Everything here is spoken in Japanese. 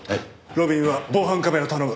路敏は防犯カメラ頼む。